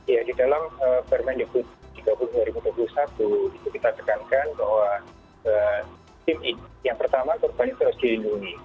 jadi dalam permen jogja tiga puluh dua ribu dua puluh satu kita tekankan bahwa tim yang pertama korban itu harus dilindungi